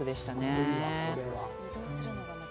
すごいわ、これは。